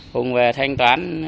hùng về thanh toán